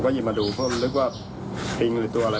ผมก็หยิบมาดูเพราะมันรู้ว่าตรงหรือตัวอะไร